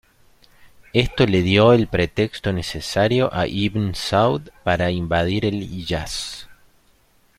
Esto le dio el pretexto necesario a Ibn Saud para invadir el Hiyaz.